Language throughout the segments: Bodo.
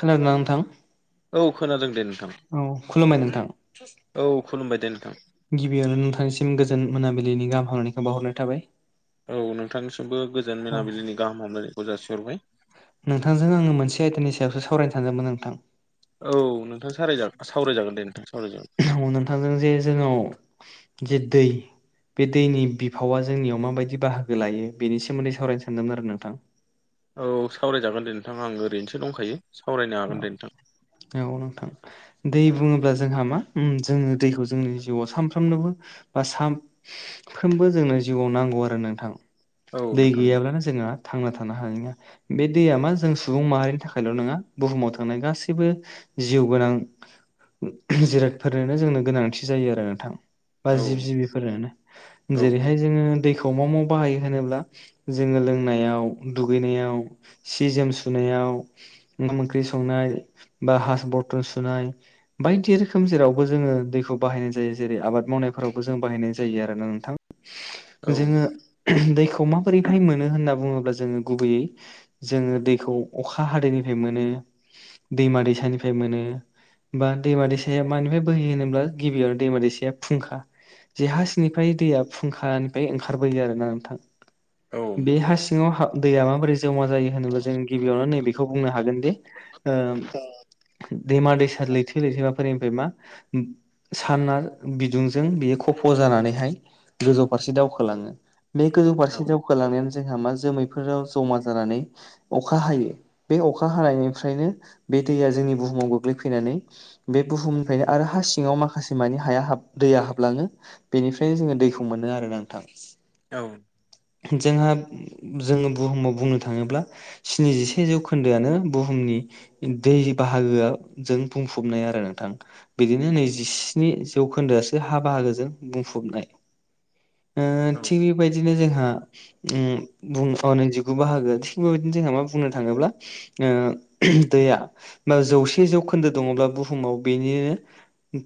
खोनादोंना नोंथां औ खोनादों दे नोंथां औ खुलुमबाय नोंथां औ खुलुमबाय दे नोंथां गिबियावनो नोंथांनिसिम गोजोन मोनाबिलिनि गाहाम हामायखौ बावहरनाय थाबाय औ नोंथांनिसिमबो गोजान औ मोनाबिलिनि गाहाम हामलायनायखौ जासिहरबाय नोंथांजों आङो मोनसे आयदानि सायावसो सावरायनो सानदोंमोन नोंथां औ नोंथां सावराय सावरायजागोन दे नोंथां सावरायजागोन ओडो जे जोंनाव जे दै बे दैनि बिफावा जोंनियाव माबायदि बाहागो लायो बेनि सोमोन्दै सावरायनो सानदोंमोन आरो नोंथां औ सावरायजागोन दे नोंथां आं ओरैनोसो दंखायो सावरायनो हागोन दे नोंथां औ नोंथां दै बुङोब्ला जोंहा मा जोङो दैखौ जोंनि जिउआव साफ्रोमनोबो बा सानफ्रोमबो जोंनो जिउआव नांगौ आरो नोंथां औ दै नोंथां गैयाब्लानो जों हा थांना थानो हानाया बे दै मा जों सुबुं माहारिनि थाखायल' नङा बुहुमाव थांनाय गासै गासैबो जिउ गोनां जिरादफोरनोनो जोंनो गोनांथि जायो आरो नोंथां बा औ जिब जिबिफोरानो औ जेरैहाय जोङो दैखौ मोव मोव बाहायो होनोब्ला जोङो लोंनायाव दुगैनायाव सि जोम सुनायाव ओंखाम ओंख्रि संनाय बा हास बरथन सुनाय बायदि रोखोम जेरावबो जोङो दैखौ बाहायनाय जायो जेरै आबाद मावनायफोरावबो जों बाहायनाय जायो आरोना नोंथां औ जोङो दैखौ माबोरैहाय मोनो होनना बुङोब्ला जोङो गुबैयै जोङो दैखौ अखा हादैनिफ्राय मोनो दैमा दैसानिफ्राय मोनो बा दैमा दैसाया मानिफ्राय बोहैयो होनोब्ला गिबियावनो दैमा दैसाया फुंखा जे हासिंनिफ्राय दैया फुंखानिफ्राय ओंखारबोयो आरोना नोंथां औ बे नोंथां हासि सिङाव दैया माबोरै जमा जायो होनोब्ला जों गिबियावनो नैबेखौ बुंनो हागोन दि ओ दैमा दैसा लैथो लैथोमाफोरनिफ्राय मा साना बिदुंजों बियो खफ' जानानैहाय गोजौ फारसे दावखोलाङो बे गोजौ औ फारसे दावखालांनायानो जोंहा मा जोमैफोराव जमा जानानै अखा हायो बे अखा हानायनिफ्रायनो बे दैया जोंनि बुहुमाव गोग्लैफैनानै बे बुहुमनिफ्रायनो आरो हा सिङाव माखासे मानि हाया दैया हाबलाङो बेनिफ्रायनो जोङो दैखौ मोनो आरोना नोंथां औ जोंहा जोङो बुहुमाव बुंनो थाङोब्ला स्निजिसे जौखोन्दोआनो बुहुमनि दै बाहागोआ जों बुंफबनाय आरो नोंथां बिदिनो नैजिस्नि जौखोन्दोआसो हा बाहागोजों बुंफबनाय ओ थिग बेबायदिनो जोंहा ओम अ नै जिगु बाहागोआ थिग बेबायदिनो जोंहा मा बुंनो थाङोब्ला ओ दैया बा जौसे जौखोन्दो दङब्ला बुहुमाव बेनो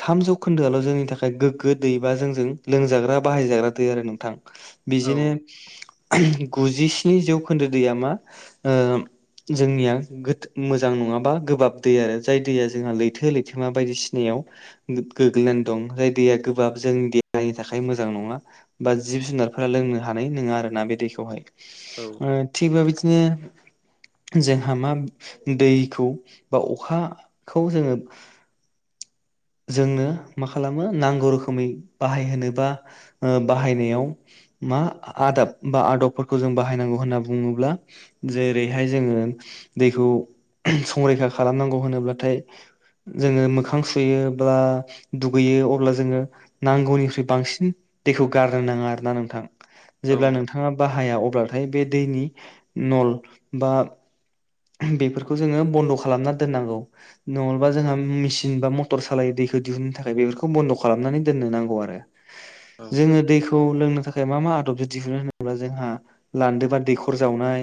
थाम जौखोन्दोआल' जोंनि थाखाय गोग्गो दैबा जोंजों लोंजाग्रा बाहायजाग्रा दै आरो नोंथां औ बिदिनो गुजिस्नि जौखोन्दो दैया मा ओ जोंनिया गो मोजां नङा बा गोबाब दै आरो जाय दैया जोंहा लैथो लैथोमा बायदिसिनायाव गोग्लैनानै दं जाय दैया गोबाब जोंनि देहानि थाखाय मोजां नङा बा जिब जुनारफोरा लोंनो हानाय नङा आरो ना बे दैखौहाय औ ओ थिग बेबादिनो जोंहा मा दैखौ बा अखाखौ जोङो जोंनो मा खालामो नांगौ रोखोमै बाहायहोनो बा बाहायनायाव मा आदाब बा आदबफोरखौ जों बाहायनांगौ होनना बुङोब्ला जेरैहाय जोङो दैखौ संरैखा खालामनांगौ होनोब्लाथाय जोङो मोखां सुयोब्ला दुगैयो अब्ला जोङो नांगौनिख्रुइ बांसिन दैखौ गारनो नाङा आरोना नोंथां जेब्ला नोंथाङा बाहाया अब्लाथाय बे दैनि नल बा बेफोरखौ जोङो बन्द' खालामना दोननांगौ नङबा जोंहा मेसिन बा मटर सालायो दैखौ दिहुननो थाखाय बेफोरखौ बन्द' खालामनानै दोननो नांगौ आरो जोङो दैखौ लोंनो थाखाय मा मा आदब दिहुनो होनोब्ला जोंहा लान्दो बा दैखर जावनाय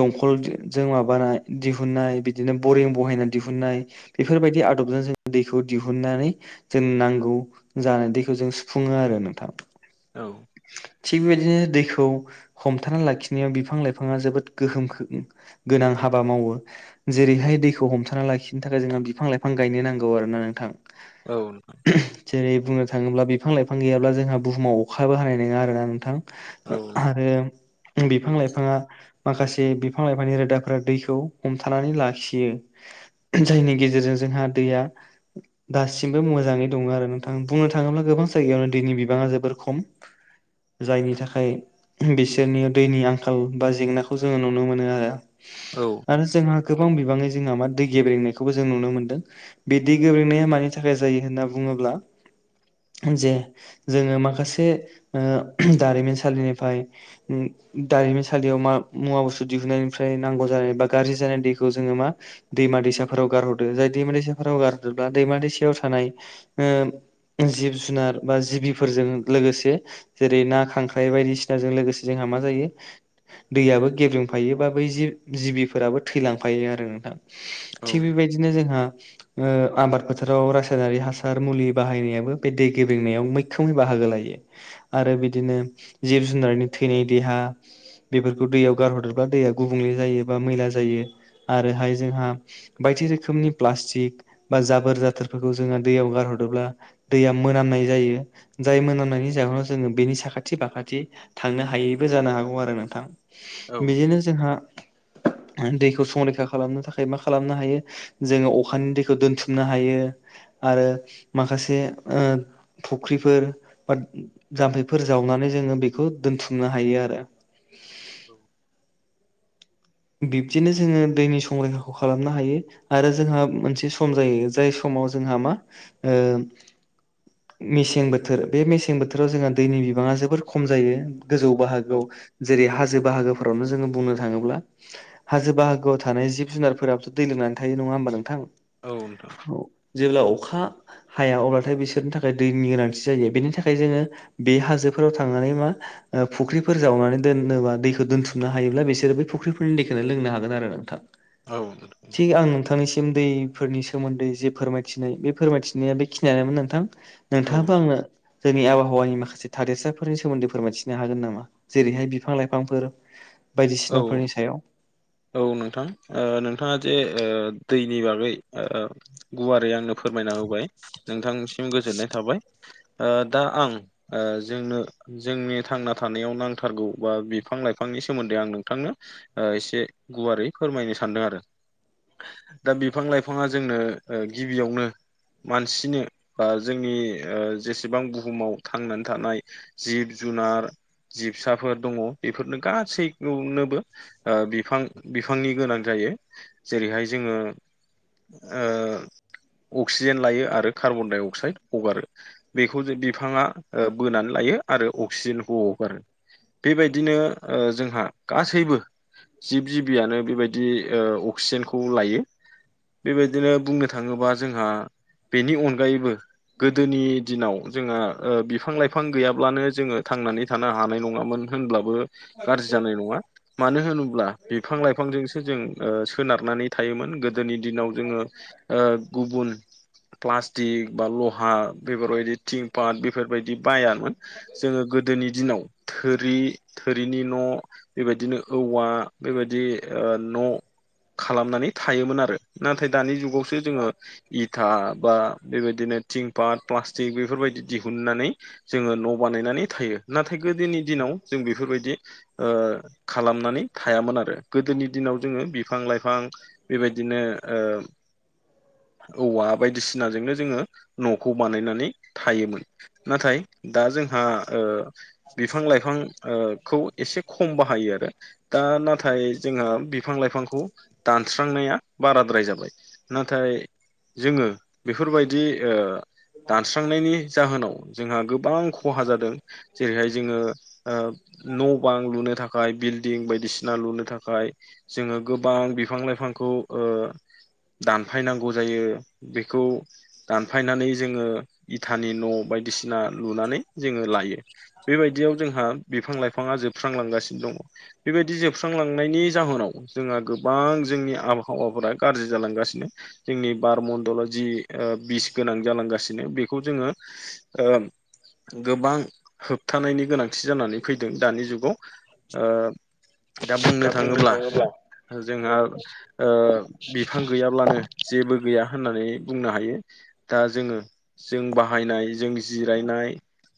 दंखलजों माबा माबानाय दिहुननाय बिदिनो बरिं बहायनानै दिहुननाय बेफोरबायदि आदबजों जों दैखौ दिहुननानै जों नांगौ जानाय दैखौ जों सुफुङो आरो नोंथां औ थिग बेबायदिनो दैखौ हमथाना लाखिनायाव बिफां लाइफाङा जोबोद गोहोम गोनां हाबा मावो जेरैहाय दैखौ हमथाना लाखिनो थाखाय जोंङो बिफां लाइफां गायनो नांगौ आरोना नोंथां औ नंगौ जेरै बुंनो थाङोब्ला बिफां लाइफां गैयाब्ला जोंहा बुहुमाव अखाबो हानाय नङा आरोना नोंथां आरो बिफां लाइफाङा माखासे बिफां लाइफांनि रोदा दैखौ हमथानानै लाखियो जायनि गेजेरजों जोंहा दैया दासिमबो मोजाङै दङ आरो नोंथां बुंनो थाङोब्ला गोबां जायगायावनो दैनि बिबाङा जोबोर खम जायनि थाखाय बिसोरनि दैनि आंखाल बा जेंनाखौ जोङो नुनो मोनो आरो औ आरो जोंहा गोबां बिबाङै जोंहा मा दै गेब्रेंनायखौबो जों नुनो मोन्दों बिदि गोब्रैनाया मानि थाखाय जायो होनना बुङोब्ला जे जोङो माखासे दारिमिनसालिनिफ्राय दारिमिनसालियाव मुवा बुस्थु दिहुननायनिफ्राय नांगौ जानाय बा गाज्रि जानाय दैखौ जोङो मा दैमा दैसाफोराव गारहरदो जाय दैमा दैसाफोराव गारहदब्ला दैमा दैसायाव थानाय जिब जुनार बा जिबिफोरजों लोगोसे जेरै ना खांख्राइ बायदिसिनाजों लोगोसे जोंहा मा जायो दैयाबो गेब्रेंफायो बा बै जि जिबिफोराबो थैलांफायो आरो नोंथां थिग बेबायदिनो जोंहा आबाद फोथाराव रासायनारि हासार मुलि बाहायनायाबो बे दै गेब्रेंनायाव मैखोमै बाहागो लायो आरो बिदिनो जिब जुनारनि थैनाय देहा बेफोरखौ दैयाव गारहरदेरब्ला दैयाव गुबुंले जायो बा मैला जायो आरोहाय जोंहा बायदि रोखोमनि प्लास्टिक बा जाबोर जाथोरफोरखौ जोङो दैयाव गारहरब्ला दैया मोनामनाय जायो जाय मोनामनायनि जाहोनाव जोङो बेनि साखाथि फाखाथि थांनो हायैबो जानो हागौ आरो नोंथां बिदिनो जोंहा दैखौ संरैखा खालामनो थाखाय मा खालामनो हायो जोङो अखानि दैखौ दोनथुमनो हायो आरो माखासे फुख्रिफोर बा जाम्फैफोर जावनानै जोङो बेखौ दोनथुमनो हायो आरो औ बिब्दिनो जोङो दैनि संरैखाखौ खालामनो हायो आरो जोंहा मोनसे सम जायो जाय समाव जोंहा मा मेसें बोथोर बे मेसें बोथोराव जोंहा दैनि बिबाङा जोबोर खम जायो गोजौ बाहागो औ जेरै हाजो बाहागोफोरावनो जोङो बुंनो थाङोब्ला हाजो बाहागोआव थानाय जिब जुनारफोराबोथ' दै लोंनानै थायो नङा होमबा नोंथां औ नोंथां औ जेब्ला अखा हाया अब्लाथाय बिसोरनि थाखाय दैनि गोनांथि जायो बेनि थाखाय जोङो बे हाजोफोराव थांनानै मा फुख्रिफोर जावनानै दोनोबा दैखौ दोनथुमनो हायोब्ला बिसोरो बै फुख्रि दैखौनो लोंनो हागोन आरो नोंथां औ थिग आं नोंथांनिसिम दैफोरनि सोमोन्दै जे फोरमायथिनाय बे फोरमायथिनाया बेखिनियानोमोन नोंथां औ नोंथाङाबो नोंथां आंनो जोंनि आबहावानि माखासे थादेरसाफोरनि सोमोन्दै फोरमायथिनो हागोन नामा जेरैहाय बिफां लाइफांफोर औ बायदिसिनाफोरनि सायाव औ नोंथां नोंथाङा जे दैनि बागै गुवारै आंनो फोरमायना होबाय नोंथांनिसिम गोजोननाय थाबाय दा आं ओ जोंनो जोंनि थांना थानायाव नांथारगौ बा बिफां लाइफांनि सोमोन्दै आं नोंथांनो एसे गुवारै फोरमायनो सानदों आरो दा बिफां लाइफाङा जोंनो गिबियावनो मानसिनो बा जोंनि जेसेबां बुहुमाव थांनानै थानाय जिब जुनार जिबसाफोर दङ बेफोरनो गासैखौनोबो बिफां बिफांनि गोनां जायो जेरैहाय जोङो अक्सिजेन लायो आरो कार्बन डाइ अक्साइड हगारो बेखौ जे बिफाङा बोनानै लायो आरो अक्सिजेनखौ हगारो बेबायदिनो जोंहा गासैबो जिब जिबियानो बेबायदि अक्सिजेनखौ लायो बेबायदिनो बुंनो थाङोबा जोंहा बेनि अनगायैबो गोदोनि दिनाव जोंहा बिफां लाइफां गैयाब्लानो जोङो थांनानै थानो हानाय नङामोन होनब्लाबो गाज्रि जानाय नङा मानो होनोब्ला बिफां लाइफांजोंसो जों सोनारनानै थायोमोन गोदो गोदोनि दिनाव जोङो गुबुन पालास पालासटिक लहा बेफोरबायदि थिं पाट बेफोरबायदि बायामोन जोङो गोदोनि दिनाव थोरि थोरिनि न' बेबायदिनो औवा बेबायदि न' खालामनानै थायोमोन आरो नाथाय दानि जुगाव सो जोङो इ फिथा बा बेबायदिनो थिं पाट प्लास्टिक बेफोरबायदि दिहुननानै जोङो न' बानायनानै थायो नाथाय गोदोनि दिनाव जों बेफोरबायदि खालामनानै थायामोन आरो गोदोनि दिनाव जोङो बिफां लाइफां बेबायदिनो [inaudible] औवा बायदिसिनाजोंनो जोङो न'खौ बानायनानै थायोमोन नाथाय दा जोंहा बिफां लाइफां खौ एसे खम बाहायो आरो दा नाथाय जोंहा बिफां लाइफांखौ दानस्रांनाया बाराद्राय जाबाय नाथाय जोङो बेफोरबायदि दानस्रांनायनि जाहोनाव जोंहा गोबां खहा जादों जेरैहाय जोङो न' बां लुनो थाखाय बिल्डिं बाय बिसिना लुनो थाखाय जोङो गोबां बिफां लाइफांखौ ओ दानफायनांगौ जायो बेखौ दानफायनानै जोङो इथानि न' बायदिसिना लुनानै जोङो लायो बेबायदियाव जोंहा बिफां लाइफाङा जोबस्रांलांगासिनो दङ बेबायदि जोबस्रां लां लांनायनि जाहोनाव जोंहा गोबां जोंनि आबहावाफोरा गाज्रि जालांगासिनो जोंनि बारमण्डला जि ओ बिस गोनां जालांगासिनो बेखौ जोङो ओम गोबां होबथानायनि गोनांथि जानानै फैदों दानि जुगाव ओ दा बुंनो थाङोब्ला जोंहा ओ बिफां गैयाब्लानो जेबो गैया होननानै बुंनो हायो दा जोङो जों बाहायनाय जों जिरायनाय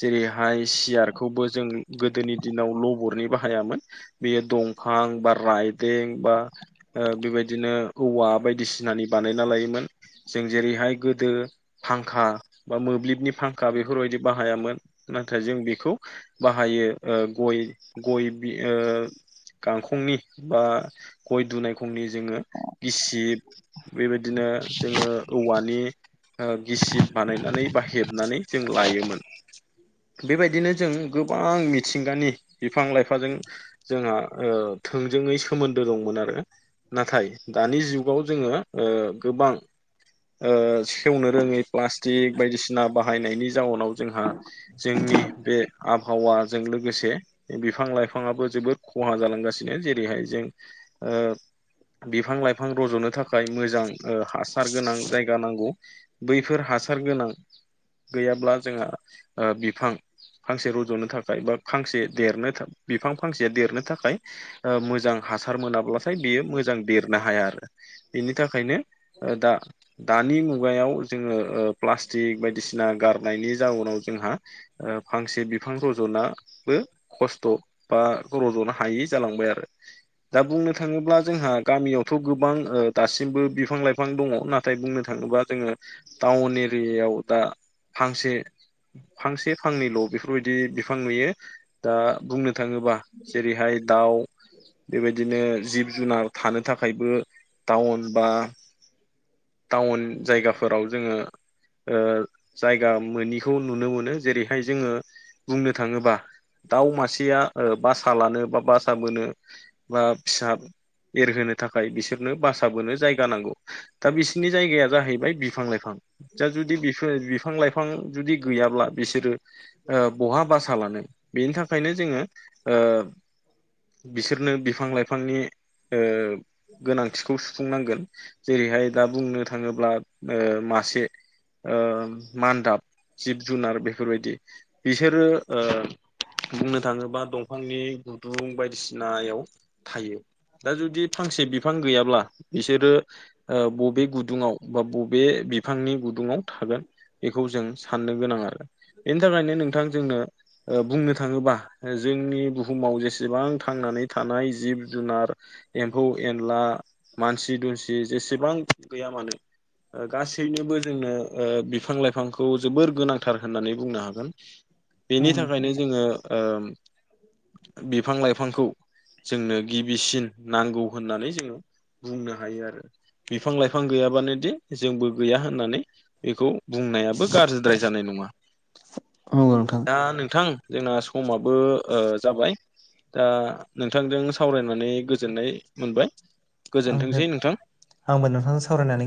जेरैहाय सियारखौबो जों गोदोनि दिनाव लबरनि बाहायामोन बेयो दंफां बा रायदों बा ओ बेबायदिनो औवा बायदिसिनानि बानायना लायोमोन जों जेरैहाय गोदो फांखा बा मोब्लिबनि फांखा बेफोरबायदि बाहायामोन नाथाय जों बेखौ बाहायो ओ गय गय बि ओ गांखंनि बा गय दुनायखंनि जोङो गिसिब बेबायदिनो जोङो औवानि गिसिब बानायनानै बा हेबनानै जों लायोमोन बेबायदिनो जों गोबां मिथिंगानि बिफां लाइफांजों जोंहा ओ थोंजोङै सोमोन्दो दंमोन आरो नाथाय दानि जुगाव जोङो ओ गोबां ओ सेवनो रोङै प्लास्टिक बायदिसिना बाहायनायनि जाउनाव जोंहा जोंनि बे आबहावाजों लोगोसे बिफां लाइफाङाबो जोबोद खहा जालांगासिनो जेरैहाय जों ओ बिफां लाइफां रज'नो थाखाय मोजां ओ हासार गोनां जायगा नांगौ बैफोर हासार गोनां गैयाब्ला जोंहा ओ बिफां फांसे रज'नो थाखाय बा फांसे देरनो था बिफां फांसेया देरनो थाखाय मोजां हासार मोनाब्लाथाय बेयो मोजां देरनो हाया आरो बिनि थाखायनो दा दानि मुगायाव जोङो ओ प्लास्टिक बायदिसिना गारनायनि जाउनाव जोंहा फांसे बिफां रज'नाबो खस्थ' बा रज'नो हायि जालांबाय आरो दा बुंनो थाङोब्ला जोंहा गामियावथ' गोबां दासिमबो बिफां लाइफां दङ नाथाय बुंनो थाङोब्ला जोङो टाउन एरियायाव दा फांसे फांसे फांनैल' बेफोरबायदि बिफां नुयो दा बुंनो थाङोबा जेरैहाय दाउ बेबायदिनो जिब जुनार थानो थाखायबो टाउन बा टाउन जायगाफोराव जोङो जायगा मोनिखौ नुनो मोनो जेरैहाय जोङो बुंनो थाङोबा दाउ मासेया बासा लानो बा बासा बोनो बा फिसा एरहोनो थाखाय बिसोरनो बासाबोनो जायगा नांगौ दा बिसोरनि जायगाया जाहैबाय बिफां लाइफां दा जुदि बिफोर बिफां लाइफां जुदि गैयाब्ला बिसोरो बहा बासा लानो बेनि थाखायनो जोङो ओ बिसोरनो बिफां लाइफांनि ओ गोनांथिखौ सुफुंनांगोन जेरैहाय दा बुंनो थाङोब्ला ओ मासे ओ मान्दाब जिब जुनार बेफोरबायदि बिसोरो ओ बुंनो थाङोबा दंफांनि गुदुं बायदिसि नायाव थायो दा जुदि फांसे बिफां गैयाब्ला बिसोरो बबे गुदुङाव बा बबे बिफांनि गुदुङाव थागोन बेखौ जों साननो गोनां आरो बेनि थाखायनो नोंथां जोंनो ओ बुंनो थाङोबा जोंनि बुहुमाव जेसेबां थांनानै थानाय जिब जुनार एमफौ एनला मानसि दुनसि जेसेबां गैया मानो ओ गासैनोबो जोंनो ओ बिफां लाइफांखौ जोबोर गोनांथार होननानै बुंनो हागोन [inaudible] बेनि थाखायनो जोङो बिफां लाइफांखौ जोंनो गिबिसिन नांगौ होननानै जोङो बुंनो हायो आरो बिफां लाइफां गैयाबानो दि जोंबो गैया होननानै बेखौ बुंनायाबो गाज्रिद्राय जानाय नङा औ नोंथां दा नोंथां जोंना समाबो ओ जाबाय दा नोंथांजों सावरायनानै गोजोननाय मोनबाय आंबो गोजोनथोंसै नोंथां आंबो नोंथांजों सावरायनानै